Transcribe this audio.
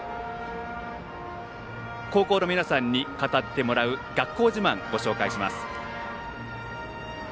高校の皆さんに語ってもらう学校自慢ご紹介します。